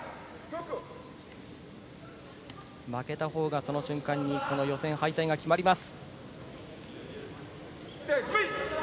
負けたほうがその瞬間に予選敗退が決まります。